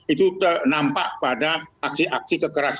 itu nampak pada aksi aksi kekerasan